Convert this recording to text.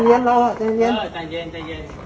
เราไม่รู้แพ้